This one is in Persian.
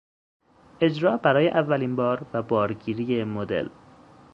اجرا برای اولین بار و بارگیری مدل